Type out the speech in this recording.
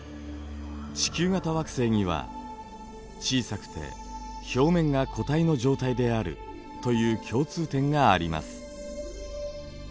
地球型惑星には小さくて表面が固体の状態であるという共通点があります。